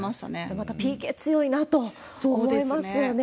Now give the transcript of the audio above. また、ＰＫ強いなと思いますよね。